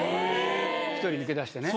１人抜け出してね。